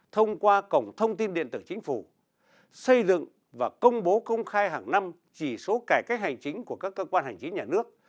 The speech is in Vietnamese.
thông qua cổng thông tin điện tử chính phủ xây dựng và công bố công khai hàng năm chỉ số cải cách hành chính của các cơ quan hành chính nhà nước